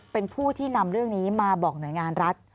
เป็นผู้ที่นำเรื่องนี้มาบอกหน่วยงานรัฐ